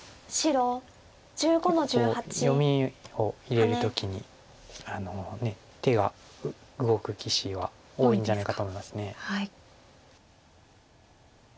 結構読みを入れる時に手が動く棋士は多いんじゃないかと思います。